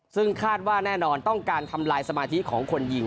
ซึ่งคาดว่าแน่นอนต้องการทำลายสมาธิของคนยิง